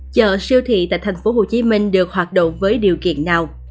chợ siêu thị tại tp hcm được hoạt động với điều kiện nào